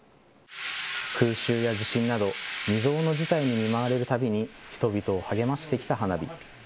空襲や地震など、未曽有の事態に見舞われるたびに、人々を励ましてきた花火。